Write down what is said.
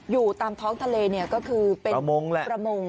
อยู่ตามท้องทะเลเนี่ยก็คือเป็นประมง